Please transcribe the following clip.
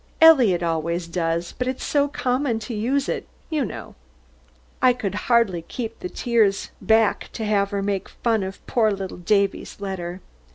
Eliot always does, but it's so common to use it, you know." I could hardly keep the tears back to have her make fun of poor little Davy's letter.